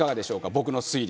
僕の推理。